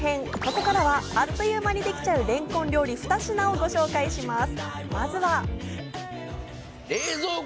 ここからはあっという間にできちゃう、れんこんレシピ２品をご紹介いたします。